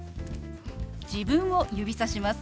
自分を指さします。